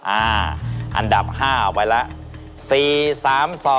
อ่าอันดับ๕ออกไปแล้ว